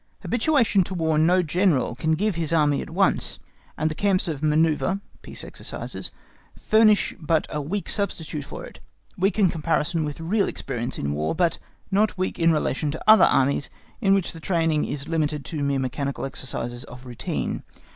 Habituation to War no General can give his Army at once, and the camps of manœuvre (peace exercises) furnish but a weak substitute for it, weak in comparison with real experience in War, but not weak in relation to other Armies in which the training is limited to mere mechanical exercises of routine.